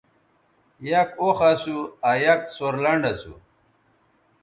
یک اوخ اسو آ یک سورلنڈ اسو